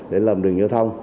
để làm đường giao thông